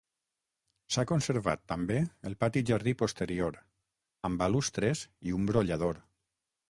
S'ha conservat també el pati-jardí posterior, amb balustres i un brollador.